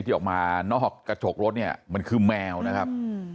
ที่ออกมานอกกระจกรถเนี่ยมันคือแมวนะครับ